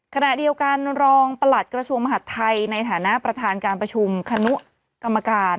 ขณะเดียวกันรองประหลัดกระทรวงมหาดไทยในฐานะประธานการประชุมคณะกรรมการ